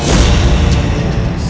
mereka bukan orang biasa